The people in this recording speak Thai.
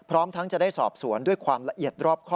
พร้อมทั้งจะได้สอบสวนด้วยความละเอียดรอบข้อ